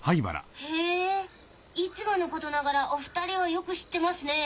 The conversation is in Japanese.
へぇいつものことながらお２人はよく知ってますね。